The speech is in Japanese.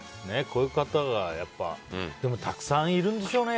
こういう方がたくさんいるんでしょうね。